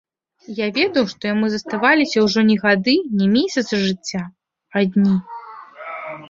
Я ведаў, што яму заставаліся ўжо не гады, не месяцы жыцця, а дні.